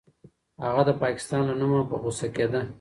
هغه د پاکستان له نومه په غوسه کېده.